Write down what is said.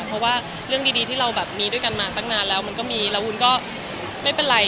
เพราะว่าเรื่องดีที่เราแบบมีด้วยกันมาตั้งนานแล้วมันก็มีแล้ววุ้นก็ไม่เป็นไร